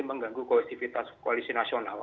mengganggu koalisifitas koalisi nasional